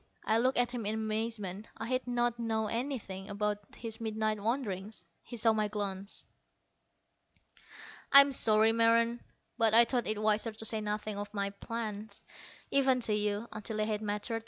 I looked at him in amazement. I had not known anything about his midnight wanderings. He saw my glance. "I'm sorry, Meron, but I thought it wiser to say nothing of my plans, even to you, until they had matured.